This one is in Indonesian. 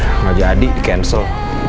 nggak jadi di cancel